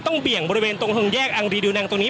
ต้องเบียงใต้แยกอังรีดิวนังตรงนี้